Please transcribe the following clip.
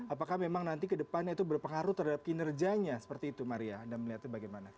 apakah memang nanti ke depannya itu berpengaruh terhadap kinerjanya seperti itu maria anda melihat itu bagaimana